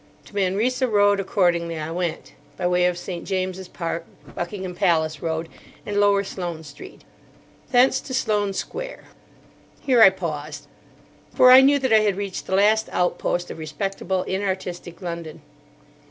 To Manresa Road, accordingly, I went, by way of St. James's Park, Buckingham Palace Road, and Lower Sloane Street. Thence to Sloane Square. Here I paused, for I knew that I had reached the last outpost of respectable, inartistic London.